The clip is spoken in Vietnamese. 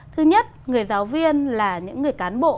thứ nhất người giáo viên là những người cán bộ